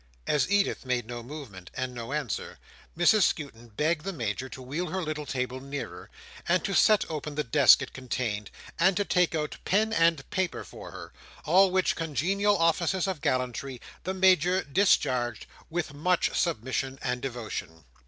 As Edith made no movement, and no answer, Mrs Skewton begged the Major to wheel her little table nearer, and to set open the desk it contained, and to take out pen and paper for her; all which congenial offices of gallantry the Major discharged, with much submission and devotion.